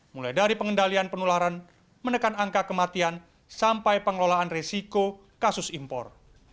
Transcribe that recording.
mulai dari pengendalian penularan menekan angka kematian sampai pengelolaan resiko kasus impor